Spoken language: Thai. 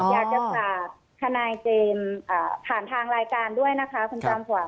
อยากจะฝากทนายเจมส์ผ่านทางรายการด้วยนะคะคุณจอมขวาน